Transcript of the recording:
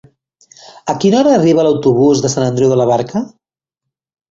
A quina hora arriba l'autobús de Sant Andreu de la Barca?